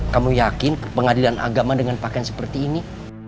kamu yakin pengadilan agama dengan pakaian seperti ini